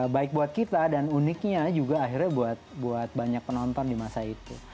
baik buat kita dan uniknya juga akhirnya buat banyak penonton di masa itu